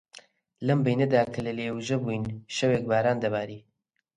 لەم بەینەدا کە لە لێوژە بووین، شەوێک باران دەباری